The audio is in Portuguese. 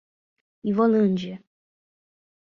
Ivolândia